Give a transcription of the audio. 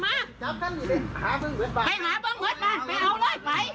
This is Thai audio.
ไม่จำเป็นว่าสั่นกลับไปเอาไว้สั่นมาหาเพิ่งเวทบาทไปเอาเลยไป